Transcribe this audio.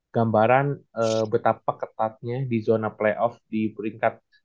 gambaran betapa ketatnya di zona playoff di peringkat